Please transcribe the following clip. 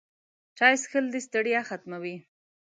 چای څښل د ستړیا ختموي